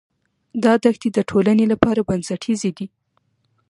دا دښتې د ټولنې لپاره بنسټیزې دي.